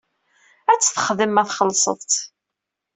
Ad t-texdem ma txellseḍ-tt.